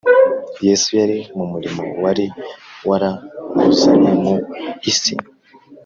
’ Yesu yari mu murimo wari waramuzanye mu isi